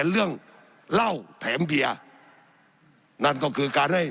สับขาหลอกกันไปสับขาหลอกกันไป